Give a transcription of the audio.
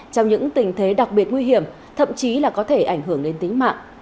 trong những tình thế đặc biệt nguy hiểm thậm chí là có thể ảnh hưởng đến tính mạng